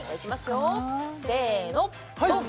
よせのドン！